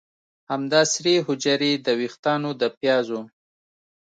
همدا سرې حجرې د ویښتانو د پیازو